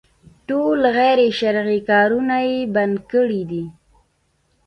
ټول غير شرعي کارونه يې بند کړي دي.